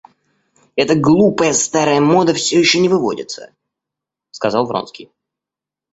Эта глупая старая мода всё еще не выводится, — сказал Вронский.